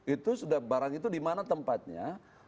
itu sudah barang itu dimana tempatnya